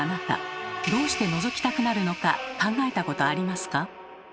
どうしてのぞきたくなるのか考えたことありますか？